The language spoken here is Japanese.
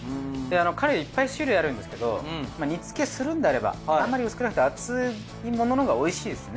カレイいっぱい種類あるんですけど煮付けするんであればあんまり薄くなくて厚いもののほうがおいしいですね。